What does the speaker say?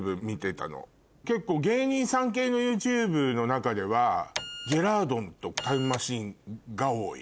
結構芸人さん系のＹｏｕＴｕｂｅの中ではジェラードンとタイムマシーンが多い。